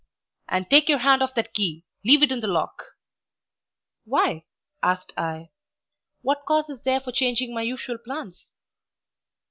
"And take your hand off that key! leave it in the lock!" "Why?" asked I. "What cause is there for changing my usual plans?"